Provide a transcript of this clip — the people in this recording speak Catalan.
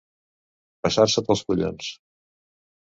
Passar-se pels collons.